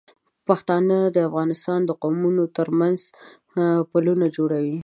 پښتانه د افغانستان د قومونو تر منځ پلونه جوړوي.